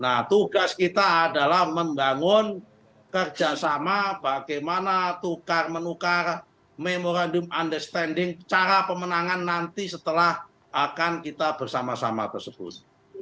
nah tugas kita adalah membangun kerjasama bagaimana tukar menukar memorandum understanding cara pemenangan nanti setelah akan kita bersama sama tersebut